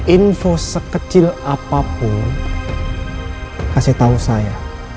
info sekecil apapun kasih tahu saya